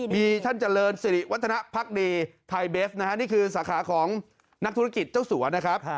มีท่านเจริญสิริวัฒนภักดีไทยเบฟนะฮะนี่คือสาขาของนักธุรกิจเจ้าสัวนะครับ